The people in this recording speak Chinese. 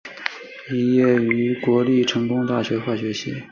毕业于国立成功大学化学系。